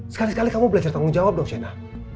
sekali sekali kamu belajar tanggung jawab dong shena